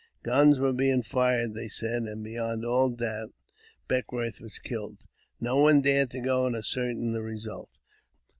Guns were being fired, they said, and, beyond all doubt, Beckwourth was killed. No one dared to go and ascertain the result.